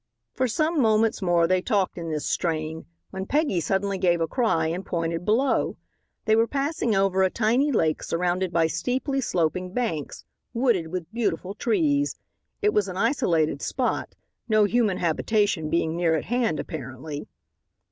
For some moments more they talked in this strain, when Peggy suddenly gave a cry and pointed below. They were passing over a tiny lake surrounded by steeply sloping banks, wooded with beautiful trees. It was an isolated spot, no human habitation being near at hand apparently.